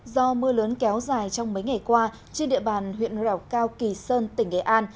do mưa lớn kéo dài trong mấy ngày qua trên địa bàn huyện rào cao kỳ sơn tỉnh nghệ an